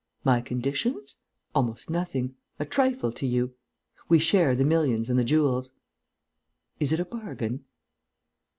My conditions? Almost nothing; a trifle to you: we share the millions and the jewels. Is it a bargain?"